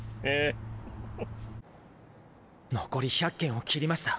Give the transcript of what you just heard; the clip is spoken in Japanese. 残り１００軒を切りました。